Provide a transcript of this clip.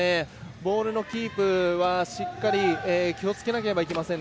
ボールのキープはしっかり気をつけなければいけません。